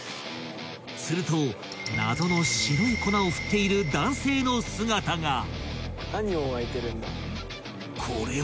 ［すると謎の白い粉を振っている男性の姿が］